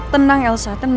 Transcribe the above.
tenang elsa tenang